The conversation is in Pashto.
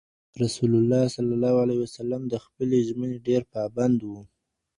رسول الله د خپلې ژمنې ډېر پابند و.